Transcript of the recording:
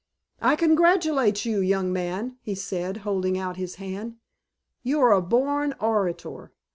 "I congratulate you, young man," he said, holding out his hand. "You are a born orator.